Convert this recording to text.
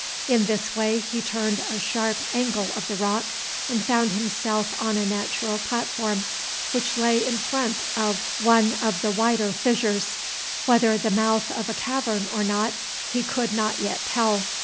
In this way he turned a sharp angle of the rock and found himself on a natural platform, which lay in front of one of the wider fissures, whether the mouth of a cavern or not he could not yet tell.